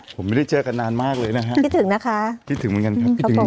ผมไม่ได้เจอกันนานมากเลยนะฮะคิดถึงนะคะคิดถึงเหมือนกันครับคิดถึง